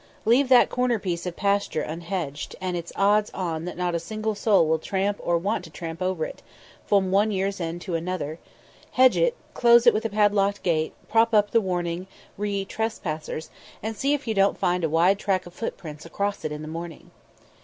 Leave that corner piece of pasture unhedged, and it's odds on that not a single soul will tramp or want to tramp over it, from one year's end to another; hedge it, close it with padlocked gate, prop up the warning re trespassers and see if you don't find a wide track of footprints across it in the morning.